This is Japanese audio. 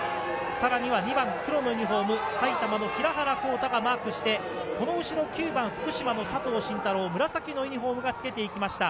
さらには２番黒のユニホーム、埼玉の平原康多がマークして、その後ろ９番福島の佐藤慎太郎、紫のユニホームがつけていきました。